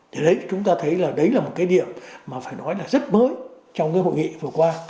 thì đấy chúng ta thấy là đấy là một cái điểm mà phải nói là rất mới trong cái hội nghị vừa qua